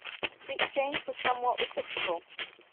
The exchange was somewhat reciprocal.